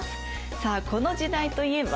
さあこの時代といえば？